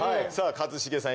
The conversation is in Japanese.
一茂さん